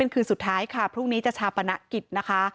เป็นคืนสุดท้ายค่ะพรุ่งนี้จะใช้นะคะ